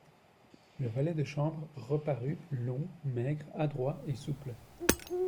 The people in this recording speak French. Le valet de chambre reparut, long, maigre, adroit et souple.